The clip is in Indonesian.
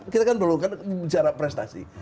kita kan berlukan cara prestasi